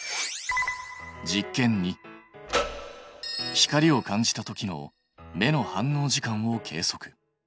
光を感じたときの目の反応時間を計測。